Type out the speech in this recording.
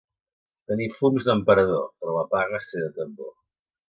Tenir fums d'emperador, però la paga ser de tambor.